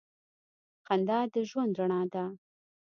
• خندا د ژوند رڼا ده.